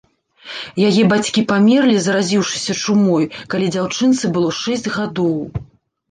Яе бацькі памерлі, заразіўшыся чумой, калі дзяўчынцы было шэсць гадоў.